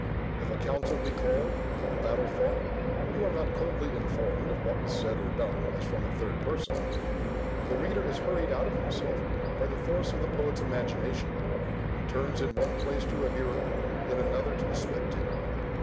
If a council be called, or a battle fought, you are not coldly informed of what was said or done as from a third person; the reader is hurried out of himself by the force of the poet's imagination, and turns in one place to a hearer, in another to a spectator.